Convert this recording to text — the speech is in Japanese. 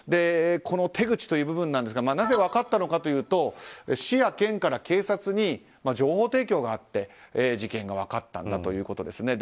この手口という部分ですがなぜ分かったのかというと市や県から警察に情報提供があって事件が分かったということです。